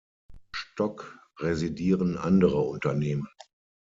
Stock residieren andere Unternehmen.